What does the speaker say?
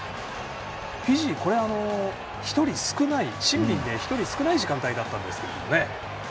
フィジー、これはシンビンで、１人少ない時間帯だったんですけどね。